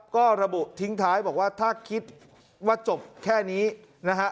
ก็ระบุทิ้งท้ายบอกว่าถ้าคิดว่าจบแค่นี้นะฮะ